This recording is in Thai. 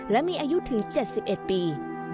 และมีอายุถึง๗๑ปี